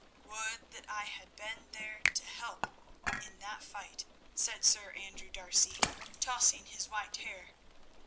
"Would that I had been there to help in that fight," said Sir Andrew D'Arcy, tossing his white hair.